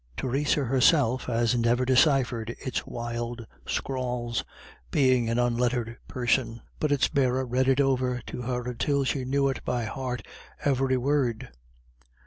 Theresa herself has never deciphered its wild scrawls, being an unlettered person, but its bearer read it over to her until she knew it by heart every word.